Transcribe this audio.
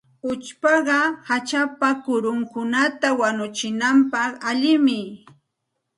Uchpaqa hachapa kurunkunata wanuchinapaq allinmi.